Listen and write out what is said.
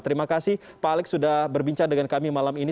terima kasih pak alex sudah berbincang dengan kami malam ini